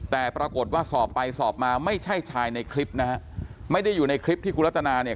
แต่ปรากฏว่าสอบไปสอบมาไม่ใช่ชายในคลิปนะฮะไม่ได้อยู่ในคลิปที่คุณรัตนาเนี่ย